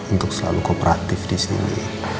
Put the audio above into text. untuk selalu kooperatif disini